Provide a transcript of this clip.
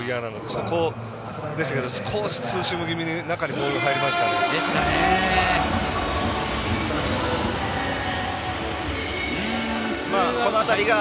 しかし少しツーシーム気味にボールが中に入りましたので。